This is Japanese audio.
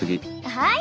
はい。